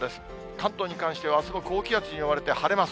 関東に関してはあすも高気圧に覆われて晴れます。